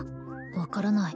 分からない